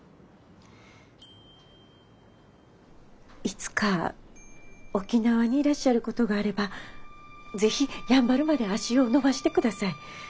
いつか沖縄にいらっしゃることがあれば是非やんばるまで足を延ばしてください。